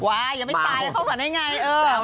ว้ายยังไม่ตายข้าวฝันได้ไง